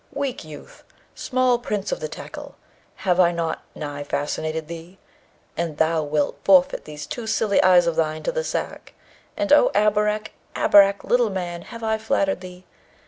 weak youth! small prince of the tackle! have I not nigh fascinated thee? And thou wilt forfeit those two silly eyes of thine to the sack. And, O Abarak, Abarak! little man, have I flattered thee?